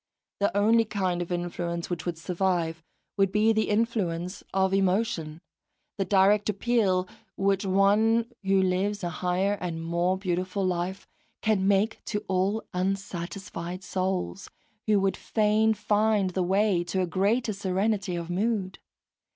The only kind of influence which would survive would be the influence of emotion, the direct appeal which one who lives a higher and more beautiful life can make to all unsatisfied souls, who would fain find the way to a greater serenity of mood.